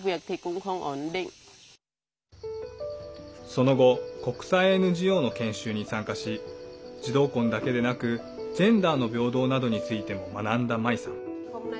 その後国際ＮＧＯの研修に参加し児童婚だけでなくジェンダーの平等などについても学んだマイさん。